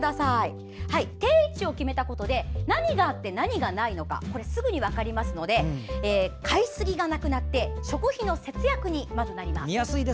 定位置を決めたことで何があって、何がないのかすぐに分かりますので買いすぎがなくなって食費の節約にまず、なります。